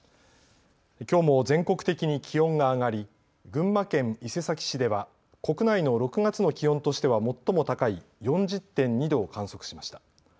きょうも全国的に気温が上がり群馬県伊勢崎市では国内の６月の気温としては最も高い４０．２度を観測しました。